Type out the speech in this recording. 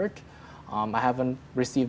waktu atau usaha mereka